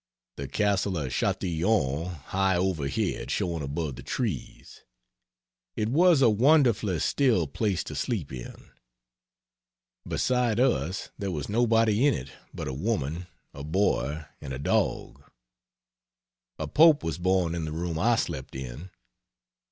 The castle of Chatillon high overhead showing above the trees. It was a wonderfully still place to sleep in. Beside us there was nobody in it but a woman, a boy and a dog. A Pope was born in the room I slept in.